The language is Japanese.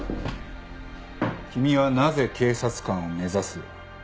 君はなぜ警察官を目指す？